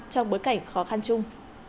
trong bối cảnh khó khăn chung